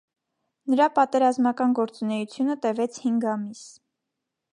Նրա պատերազմական գործունեությունը տևեց հինգ ամիս։